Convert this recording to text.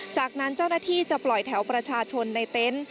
จากนั้นเจ้าหน้าที่จะปล่อยแถวประชาชนในเต็นต์